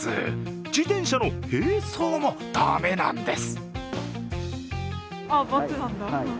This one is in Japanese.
自転車の並走も駄目なんです。